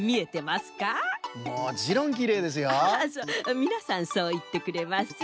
みなさんそういってくれます。